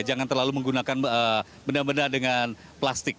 jangan terlalu menggunakan benda benda dengan plastik